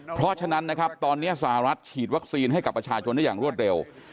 เพราะฉะนั้นนะครับตอนนี้สหรัฐฉีดวัคซีนให้กับประชาชนได้อย่างรวดเร็ว